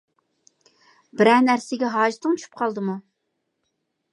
بىرەر نەرسىگە ھاجىتىڭ چۈشۈپ قالدىمۇ؟